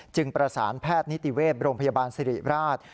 ประสานแพทย์นิติเวศโรงพยาบาลสิริราช